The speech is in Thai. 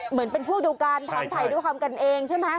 เหมือนเป็นพวกเดียวกันทำไถ่ด้วยคำกันเองใช่ไหม